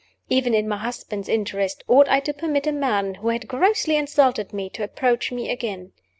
Even in my husband's interests, ought I to permit a man who had grossly insulted me to approach me again?